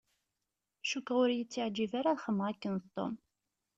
Cukkeɣ ur y-ittiεǧib ara ad xedmeɣ akken d Tom.